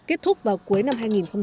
kết thúc vào cuối năm hai nghìn hai mươi